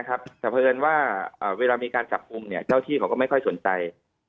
แต่เพราะเอิญว่าเวลามีการจับกลุ่มเจ้าที่เขาก็ไม่ค่อยสนใจ